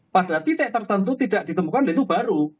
pada titik tertentu tidak ditemukan itu baru